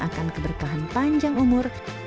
akan keberkahan panjang umur